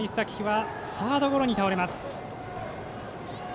先頭の灰咲はサードゴロに倒れます。